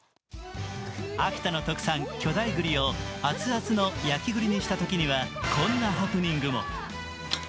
秋田の特産、巨大栗をあつあつの焼き栗にしたときにはこんなハプニングも。